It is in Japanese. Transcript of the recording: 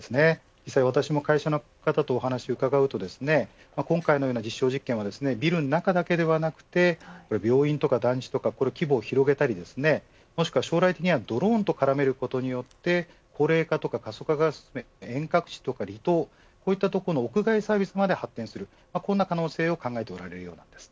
実際、私も会社の方とお話を伺うと今回のような実証実験はビルの中だけではなくて病院や団地とか規模を広げたり将来的にはドローンと絡めることによって高齢化や過疎化が進む遠隔地や離島こういった屋外サービスにも発展する可能性を考えています。